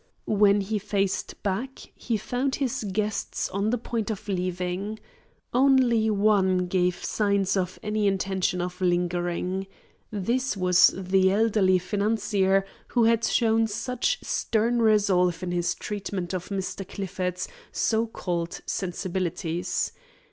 When he faced back, he found his guests on the point of leaving. Only one gave signs of any intention of lingering. This was the elderly financier who had shown such stern resolve in his treatment of Mr. Clifford's so called sensibilities.